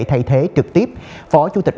thay thế trực tiếp phó chủ tịch